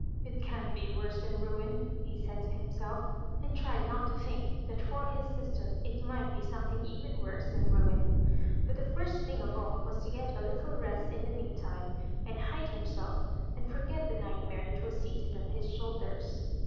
*^It can't be worse than ruin,*' ha said to himself and tried not to think that for his sister it might be something even worse than ruin. But the first thing of all was to get a little rest in the meantime, and hide himself, and forget the nightmare that was seated on his shoulders.